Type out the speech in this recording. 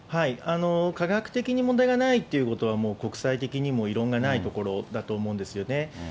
科学的に問題がないということは、国際的にも異論がないところだと思うんですよね。